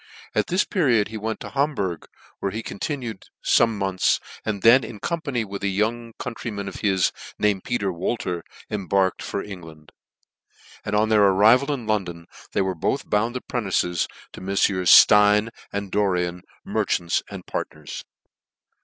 At this period he wefit to Ham burg, where he continued fome months, and then in company with a young countryman of his, named Peter Wolter, embarked for England: and oi) their arrival in London, they were both bound apprentices to Meffieurs Stein and Loricn, merchants and partners.